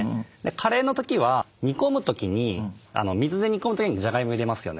カレーの時は煮込む時に水で煮込む時にじゃがいも入れますよね。